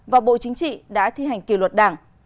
và bộ chính trị đã thi hành kỷ luật đảng